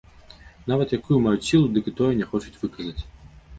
Нават якую маюць сілу, дык і тое не хочуць выказаць.